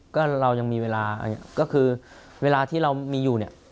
ก็เรายังมีเวลาก็คือเวลาที่เรามีอยู่เนี่ย